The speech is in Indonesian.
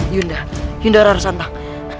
yunda yunda harus santang